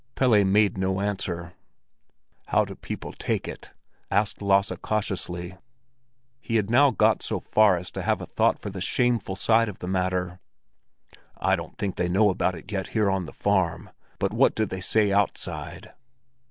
Pelle made no answer. "How do people take it?" asked Lasse cautiously. He had now got so far as to have a thought for the shameful side of the matter. "I don't think they know about it yet here on the farm; but what do they say outside?"